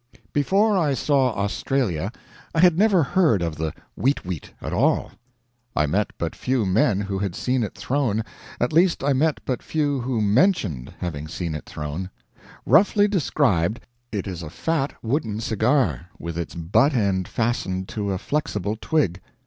Before I saw Australia I had never heard of the "weet weet" at all. I met but few men who had seen it thrown at least I met but few who mentioned having seen it thrown. Roughly described, it is a fat wooden cigar with its butt end fastened to a flexible twig.